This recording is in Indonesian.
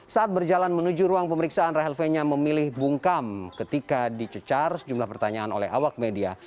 saat berjalan menuju ruang pemeriksaan rahel fenya memilih bungkam ketika dicecar sejumlah pertanyaan oleh awak media